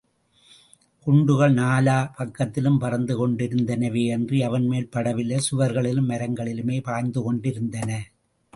குண்டுகள் நாலா பக்கத்திலும் பறந்து கொண்டிருந்தனவேயன்றி அவன்மேல் படவில்லை சுவர்களிலும் மரங்களிலுமே பாய்ந்துகொண்டிருந்தன.